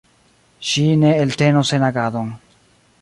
Ŝi ne eltenos senagadon.